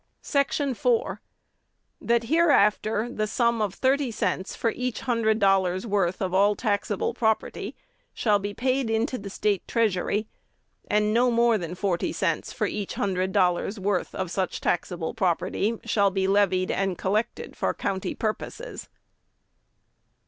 "Section 4. That hereafter the sum of thirty cents for each hundred dollars' worth of all taxable property shall be paid into the State treasury; and no more than forty cents for each hundred dollars' worth of such taxable property shall be levied and collected for county purposes."